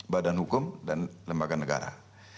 badan hukum dan lembaga negara